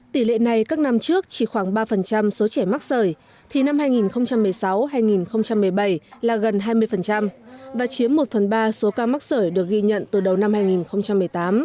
tỷ lệ này các năm trước chỉ khoảng ba số trẻ mắc sởi thì năm hai nghìn một mươi sáu hai nghìn một mươi bảy là gần hai mươi và chiếm một phần ba số ca mắc sởi được ghi nhận từ đầu năm hai nghìn một mươi tám